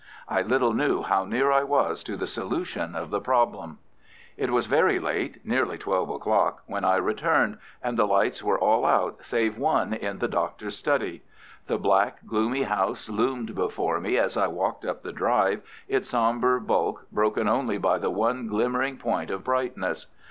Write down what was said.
I little knew how near I was to the solution of the problem. It was very late—nearly twelve o'clock—when I returned, and the lights were all out save one in the Doctor's study. The black, gloomy house loomed before me as I walked up the drive, its sombre bulk broken only by the one glimmering point of brightness.